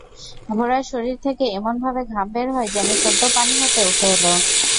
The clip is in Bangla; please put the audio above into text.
ঘোড়ার শরীর থেকে এমনভাবে ঘাম বের হয়, যেন সদ্য পানি হতে উঠে এল।